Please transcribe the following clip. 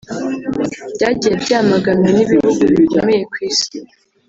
byagiye byamaganwa n’ibihugu bikomeye ku isi